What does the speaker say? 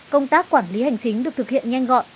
công tác quản lý hành chính được thực hiện nhanh gọn